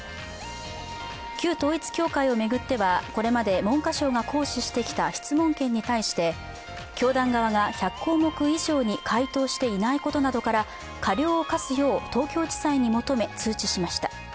旧統一教会を巡ってはこれまで文科省が行使してきた質問権に対して教団側が１００項目以上に回答していないことなどから、過料を科すよう東京地裁に求め、通知しました。